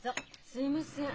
すいません。